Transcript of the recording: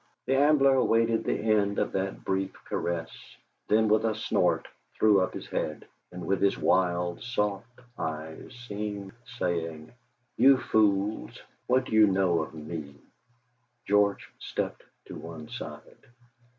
The Ambler awaited the end of that brief caress, then with a snort threw up his head, and with his wild, soft eyes seemed saying, 'You fools! what do you know of me?' George stepped to one side.